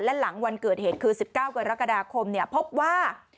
และหลังวันเกิดเหตุคือสิบเก้ากรกฎาคมเนี้ยพบว่า